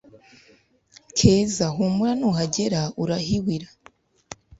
Keza: Humura nuhagera urahiwira